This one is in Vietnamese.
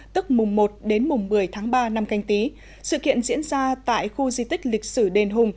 tức mùng một đến mùng một mươi tháng ba năm canh tí sự kiện diễn ra tại khu di tích lịch sử đền hùng